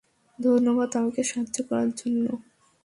ধন্যবাদ আমাকে সাহায্য করার জন্য।